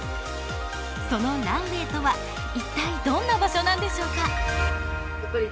そのランウェイとは一体どんな場所なんでしょうか。